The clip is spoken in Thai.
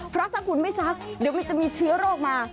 เพราะถ้าคุณไม่ซักเดี๋ยวมันจะมีเชื้อโรคมา